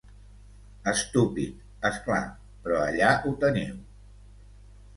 Estúpid, és clar, però allà ho teniu.